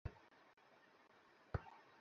এবার তাকে মিষ্টি দাও, রঘু, মিষ্টি আনো।